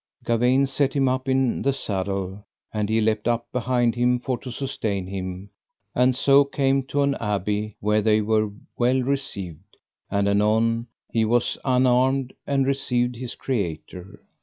Gawaine set him up in the saddle, and he leapt up behind him for to sustain him, and so came to an abbey where they were well received; and anon he was unarmed, and received his Creator.